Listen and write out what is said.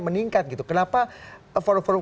meningkat gitu kenapa forum forum